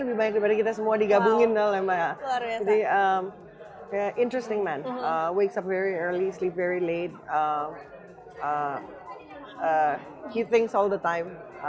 lebih banyak dari kita semua digabungin oleh mbak jadi